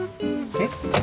えっ？